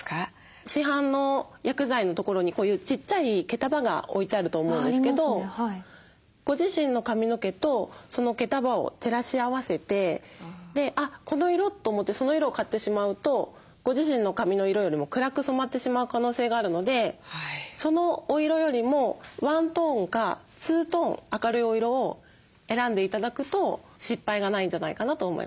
市販の薬剤のところにこういうちっちゃい毛束が置いてあると思うんですけどご自身の髪の毛とその毛束を照らし合わせてあっこの色！と思ってその色を買ってしまうとご自身の髪の色よりも暗く染まってしまう可能性があるのでそのお色よりも１トーンか２トーン明るいお色を選んで頂くと失敗がないんじゃないかなと思います。